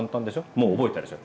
もう覚えたでしょ。